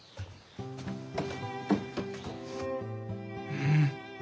うん！